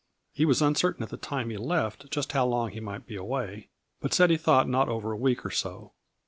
He was uncertain at the time he left just how long he might be away, but said he thought not over a week or so.